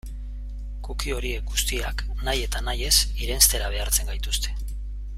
Cookie horiek guztiak nahi eta nahi ez irenstera behartzen gaituzte.